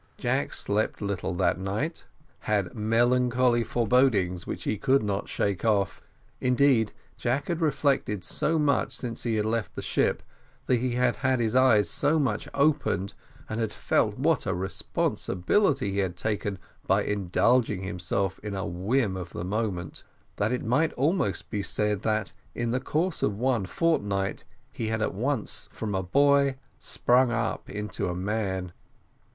Jack slept little that night had melancholy forebodings which he could not shake off; indeed, Jack had reflected so much since he had left the ship, he had had his eyes so much opened, and had felt what a responsibility he had taken by indulging himself in a whim of the moment, that it might be almost said that in the course of one fortnight he had at once from a boy sprung up into a man.